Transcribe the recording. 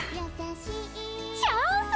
チャンス！